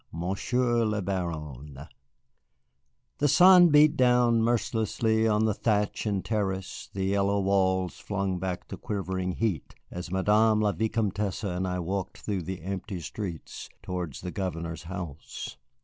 MONSIEUR LE BARON The sun beat down mercilessly on thatch and terrace, the yellow walls flung back the quivering heat, as Madame la Vicomtesse and I walked through the empty streets towards the Governor's house.